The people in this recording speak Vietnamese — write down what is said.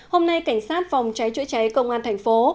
hôm nay cảnh sát phòng cháy chữa cháy công an thành phố